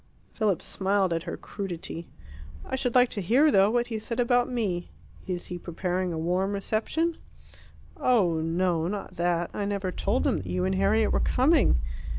Philip smiled at her crudity. "I should like to hear, though, what he said about me. Is he preparing a warm reception?" "Oh, no, not that. I never told him that you and Harriet were coming.